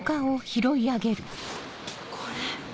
これ。